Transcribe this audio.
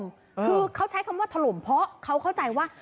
คือเขาใช้คำว่าถล่มเพราะเขาเข้าใจว่า